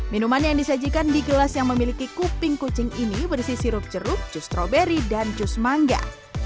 minuman yang disajikan di gelas yang memiliki kuping kucing ini berisi sirup jeruk jus stroberi dan jus mangga